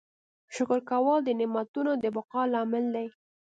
شکر کول د نعمتونو د بقا لامل دی.